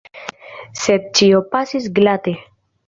Sed ĉio pasis glate.